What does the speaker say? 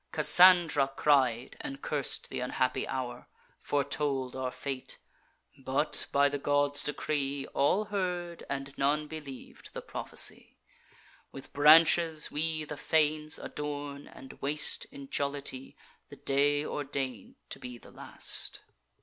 Cassandra cried, and curs'd th' unhappy hour; Foretold our fate; but, by the god's decree, All heard, and none believ'd the prophecy. With branches we the fanes adorn, and waste, In jollity, the day ordain'd to be the last.